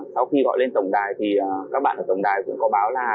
sau khi gọi lên tổng đài thì các bạn ở tổng đài cũng có báo là